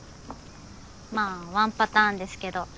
まあ１パターンですけど。